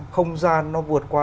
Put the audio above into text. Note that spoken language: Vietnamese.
không gian nó vượt qua